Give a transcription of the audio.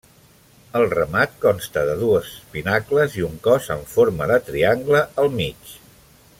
El remat consta de dos pinacles i un cos en forma de triangle al mig.